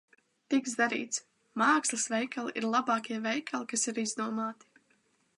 Tiks darīts. Mākslas veikali ir labākie veikali, kas ir izdomāti!